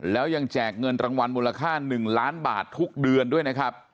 แล้วยังแจกเงินรางวัลมูลค่า๑ล้านบาททุกเดือนด้วยนะครับ